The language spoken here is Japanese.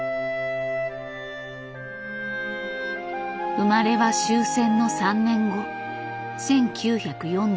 生まれは終戦の３年後１９４８年。